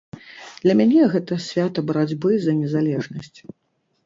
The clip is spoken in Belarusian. Для мяне гэта свята барацьбы за незалежнасць.